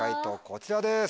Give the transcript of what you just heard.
こちらです。